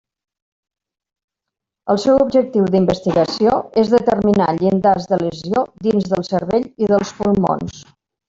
El seu objectiu d'investigació és determinar llindars de lesió dins del cervell i dels pulmons.